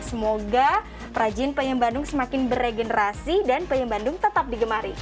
semoga perajin peyem bandung semakin beregenerasi dan peyem bandung tetap digemari